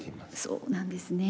そうなんですね。